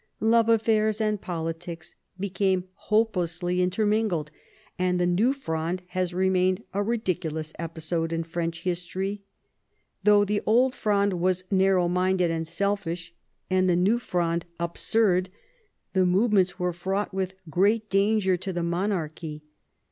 Love affairs and politics became hopelessly intermingled, and the New Fronde has remained a ridiculous episode in French history. Though the Old Fronde was narrow minded and selfish, and the New Fronde absurd, the movements were fraught with great danger to the monarchy.